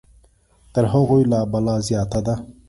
تر هغوی لا بلا زیاته ده.